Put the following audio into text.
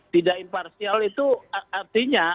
tidak imparsial itu artinya